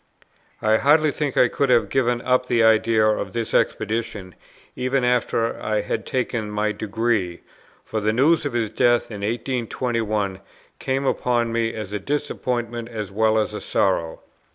I hardly think I could have given up the idea of this expedition, even after I had taken my degree; for the news of his death in 1821 came upon me as a disappointment as well as a sorrow.